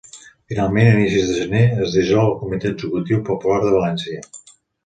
Finalment, a inicis de gener, es dissol el Comitè Executiu Popular de València.